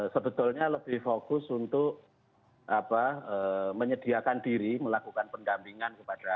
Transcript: sebetulnya lebih fokus untuk menyediakan diri melakukan pendampingan kepada